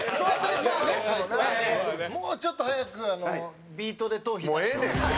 もうちょっと早く『ビートＤＥトーヒ』。